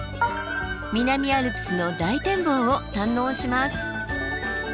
南アルプスの大展望を堪能します。